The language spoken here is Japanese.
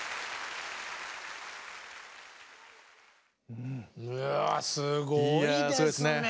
うわすごいですね！